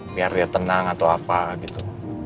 biar dia tenang atau apa gitu